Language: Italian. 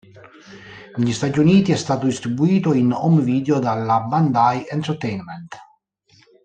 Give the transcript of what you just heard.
Negli Stati Uniti è stato distribuito in home video dalla Bandai Entertainment.